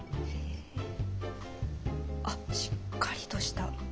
あっしっかりとした。